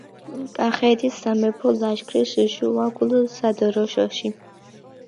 კახეთის სამეფო ლაშქრის შუაგულ სადროშოში.